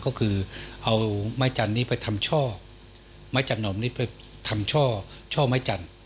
ก็คือเอาไม้จันนี้ไปทำช่อไม้จันนมนี้ไปทำช่อไม้จันทร์